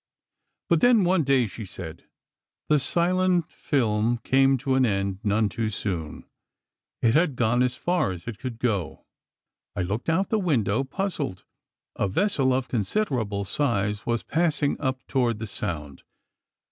But then, one day, she said: "The silent film came to an end none too soon; it had gone as far as it could go." I looked out of the window, puzzled. A vessel of considerable size was passing up, toward the Sound.